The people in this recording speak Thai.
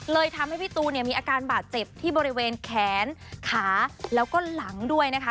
ทำให้พี่ตูนเนี่ยมีอาการบาดเจ็บที่บริเวณแขนขาแล้วก็หลังด้วยนะคะ